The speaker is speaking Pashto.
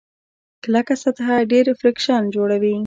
کلکه سطحه ډېر فریکشن جوړوي.